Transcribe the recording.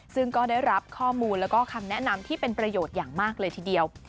ซึ่งก็ได้รับข้อมูลแล้วก็คำแนะนำที่เป็นประโยชน์อย่างมากเลยทีเดียว